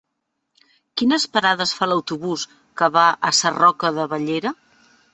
Quines parades fa l'autobús que va a Sarroca de Bellera?